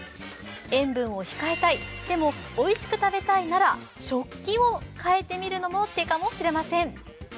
塩分を控えたい、でも、おいしく食べたいなら食器を変えてみるのも手かもしれません。